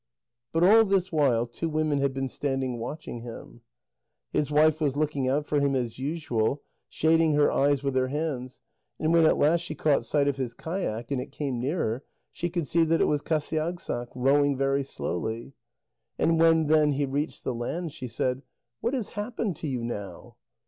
But all this while two women had been standing watching him. His wife was looking out for him as usual, shading her eyes with her hands, and when at last she caught sight of his kayak, and it came nearer, she could see that it was Qasiagssaq, rowing very slowly. And when then he reached the land, she said: "What has happened to you now?"